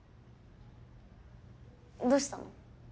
どうしたの？